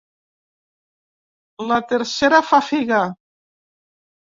La tercera fa figa.